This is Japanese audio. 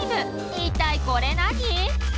一体これ何？